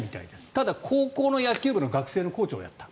ただ、高校の野球部の学生のコーチをやった。